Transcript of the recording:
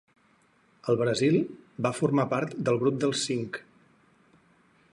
Al Brasil va formar part del Grup dels Cinc.